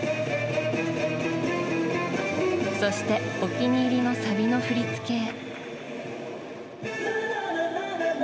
そしてお気に入りのサビの振り付けへ。